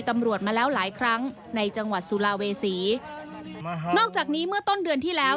เมื่อต้นเดือนที่แล้ว